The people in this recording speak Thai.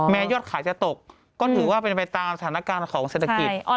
ยอดขายจะตกก็ถือว่าเป็นไปตามสถานการณ์ของเศรษฐกิจ